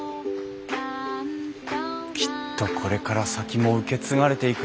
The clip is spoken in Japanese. きっとこれから先も受け継がれていくんだろうなあ。